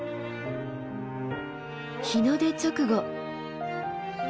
日の出直後